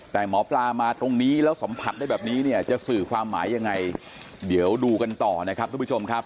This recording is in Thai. แต่หมอปลามาตรงนี้แล้วสัมผัสได้แบบนี้เนี่ยจะสื่อความหมายยังไงเดี๋ยวดูกันต่อนะครับทุกผู้ชมครับ